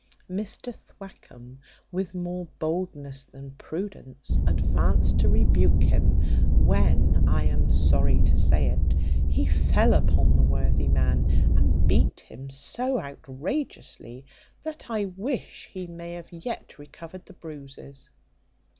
Mr Thwackum, with more boldness than prudence, advanced to rebuke him, when (I am sorry to say it) he fell upon the worthy man, and beat him so outrageously that I wish he may have yet recovered the bruises.